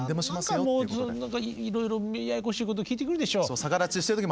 何かもういろいろややこしいこと聞いてくるでしょ？